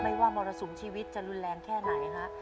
ว่ามรสุมชีวิตจะรุนแรงแค่ไหนฮะ